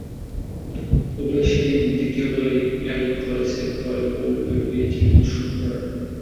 ওভালে সেদিন দ্বিতীয় বলেই এরিক হলিসের বলে বোল্ড হয়ে ফিরেছিলেন শূন্য রানে।